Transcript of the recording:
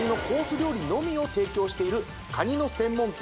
料理のみを提供しているカニの専門店